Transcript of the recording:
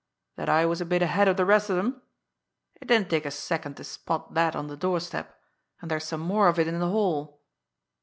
that I was a bit ahead of the rest of 'em? It didn't take a second to spot that on the doorstep, and there's some more of it in the hall.